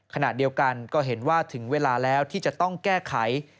ขณะเดียวกันก็เห็นว่าถึงเวลาแล้วที่จะต้องแก้ไข